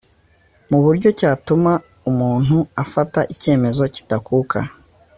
ku buryo cyatuma umuntu afata icyemezo kidakuka